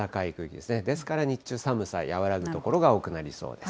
ですから、日中、寒さ和らぐ所が多くなりそうです。